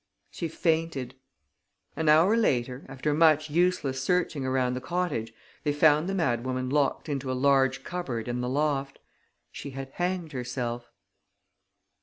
She fainted. An hour later, after much useless searching around the cottage, they found the madwoman locked into a large cupboard in the loft. She had hanged herself.